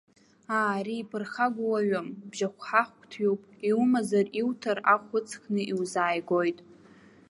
Аа, ари иԥырхагоу уаҩым, бжьахәҳахәҭҩуп, иумазар иуҭар ахә ыҵхны иузааигоит.